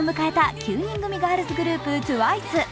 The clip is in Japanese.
９人組ガールズグループＴＷＩＣＥ。